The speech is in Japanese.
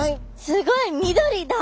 すごい緑だ！